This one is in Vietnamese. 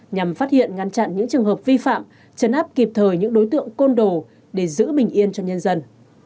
nhằm phát hiện ngăn chặn những trường hợp vi phạm chấn áp kịp thời những đối tượng côn đồ để giữ bình yên cho nhân dân